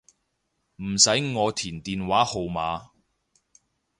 唔使我填電話號碼